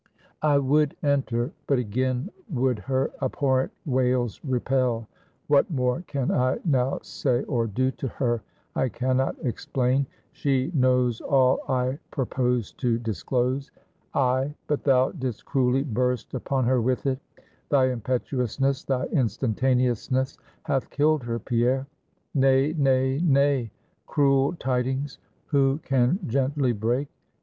"I would enter, but again would her abhorrent wails repel; what more can I now say or do to her? I can not explain. She knows all I purposed to disclose. Ay, but thou didst cruelly burst upon her with it; thy impetuousness, thy instantaneousness hath killed her, Pierre! Nay, nay, nay! Cruel tidings who can gently break?